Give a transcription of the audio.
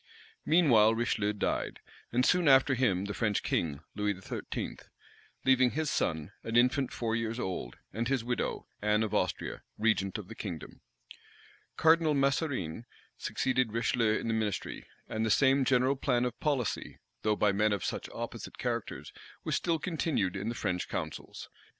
Meanwhile Richelieu died, and soon after him the French king, Louis XIII., leaving his son, an infant four years old, and his widow, Anne of Austria, regent of the kingdom. Cardinal Mazarine succeeded Richelieu in the ministry; and the same general plan of policy, though by men of such opposite characters, was still continued in the French councils.